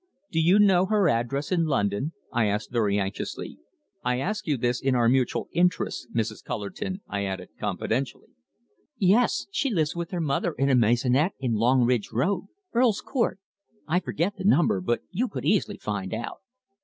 "Do you know her address in London," I asked very anxiously. "I ask you this in our mutual interests, Mrs. Cullerton," I added confidentially. "Yes. She lives with her mother in a maisonette in Longridge Road, Earl's Court, I forget the number, but you could easily find out."